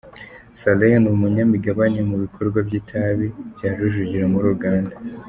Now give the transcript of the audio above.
Saleh ni umunyamigabane mu bikorwa by’itabi bya Rujugiro muri Uganda.